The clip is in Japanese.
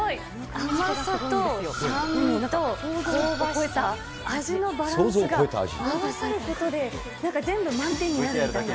甘さと酸味と香ばしさ、味のバランスが合わさることで、なんか全部満点になるみたいな。